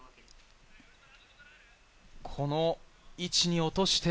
この位置に落として。